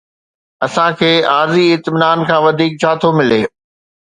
اسان کي عارضي اطمينان کان وڌيڪ ڇا ٿو ملي؟